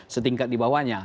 setingkat di bawahnya